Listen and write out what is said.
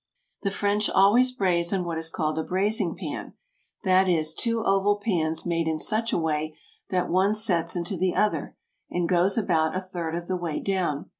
The French always braise in what is called a braising pan; that is, two oval pans made in such a way that one sets into the other, and goes about a third of the way down.